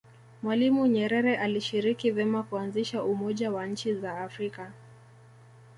mwalimu nyerere alishiriki vema kuanzisha umoja wa nchi za afrika